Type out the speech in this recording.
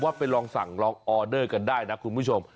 ไปลองสั่งลองออเดอร์กันได้นะคุณผู้ชม